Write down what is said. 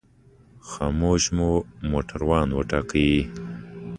خاموش مو موټروان وټاکه.